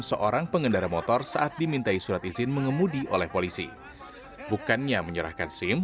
seorang pengendara motor saat dimintai surat izin mengemudi oleh polisi bukannya menyerahkan sim